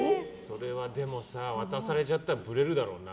でもさ、渡されちゃったらぶれるだろうな。